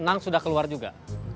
senang sudah keluar juga